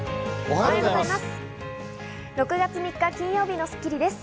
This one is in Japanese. おはようございます。